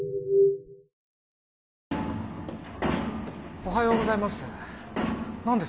おはようございます。